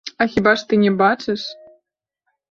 А хіба ж не бачыш?